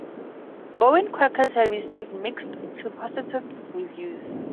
"Goin' Quackers" has received mixed to positive reviews.